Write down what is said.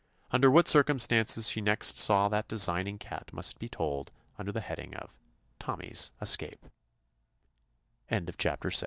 Under what circumstances she next saw that designing cat must be told under the heading of "Tommy's Esc